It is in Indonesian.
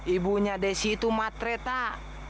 ibunya desi itu matre tak